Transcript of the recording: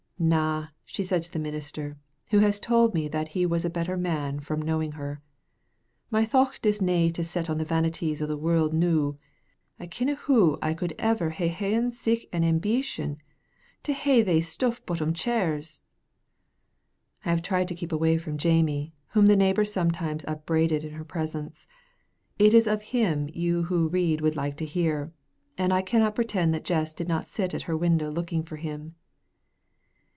"Na," she said to the minister, who has told me that he was a better man from knowing her, "my thocht is no nane set on the vanities o' the world noo. I kenna hoo I could ever hae haen sic an ambeetion to hae thae stuff bottomed chairs." I have tried to keep away from Jamie, whom the neighbors sometimes upbraided in her presence. It is of him you who read would like to hear, and I cannot pretend that Jess did not sit at her window looking for him.